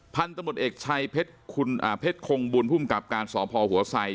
พันธมทร์ตมรตเอกชัยเพชคงบุญภูมิกับการสอบพอหัวไซส์